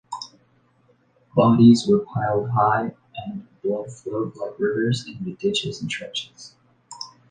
Bodies were piled high and blood flowed like rivers in the ditches and trenches.